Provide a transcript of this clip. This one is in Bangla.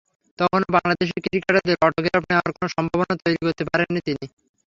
তখনো বাংলাদেশি ক্রিকেটারদের অটোগ্রাফ নেওয়ার কোনো সম্ভাবনা তৈরি করতে পারেননি তিনি।